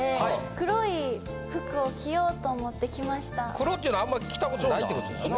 黒っていうのはあんまり着たことないってことですね？